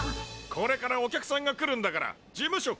これからお客さんが来るんだから事務所片づけろ！